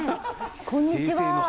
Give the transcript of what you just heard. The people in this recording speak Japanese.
こんにちは。